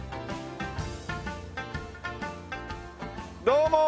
どうも！